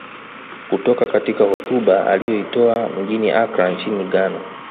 Kutoka katika hotuba aliyoitoa mjini Accra nchini Ghana